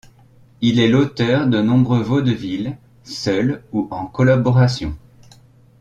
Il est l'auteur de nombreux vaudevilles, seul ou en collaboration.